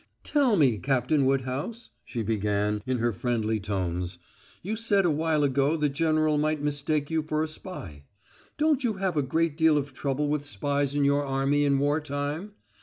"Tell me, Captain Woodhouse," she began, in her friendly tones, "you said a while ago the general might mistake you for a spy. Don't you have a great deal of trouble with spies in your army in war time?